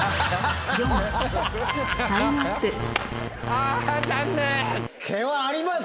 あ残念！